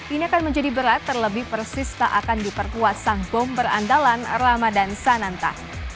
ini akan menjadi berat terlebih persis tak akan diperkuat sang bom berandalan ramadan sananta